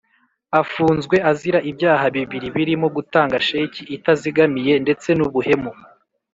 afunzwe azira ibyaha bibiri birimo gutanga sheki itazigamiye ndetse n’ubuhemu